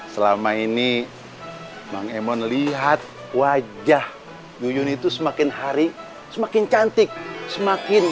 selama ini bang emon lihat wajah duyun itu semakin hari semakin cantik semakin